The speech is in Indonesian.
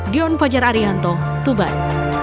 dion fajar arianto tuban